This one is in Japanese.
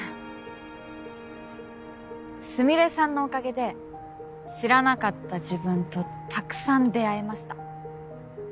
スミレさんのおかげで知らなかった自分とたくさん出会えました。